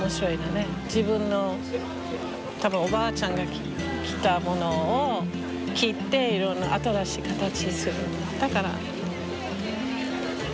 多分自分のおばあちゃんが着たものを切っていろんな新しい形にする。